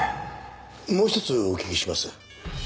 もう一つお聞きします。